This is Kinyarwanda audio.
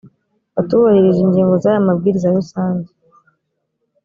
batubahirije ingingo z’aya mabwiriza rusange